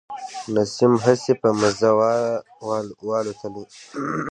نسیم هسي په مزه و الوتلی.